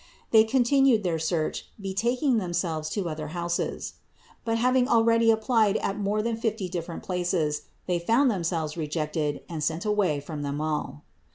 They continued their search, betaking themselves to other houses. But having already applied at more than fifty different places, they found themselves rejected and sent away from them all.